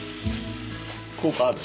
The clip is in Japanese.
効果ある？